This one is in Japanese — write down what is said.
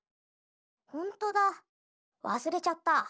ほんとだわすれちゃった。